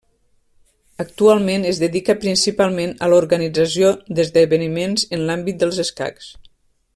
Actualment, es dedica principalment a l'organització d'esdeveniments en l'àmbit dels escacs.